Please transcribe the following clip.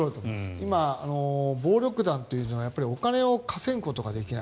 今、暴力団というのはお金を稼ぐことができない。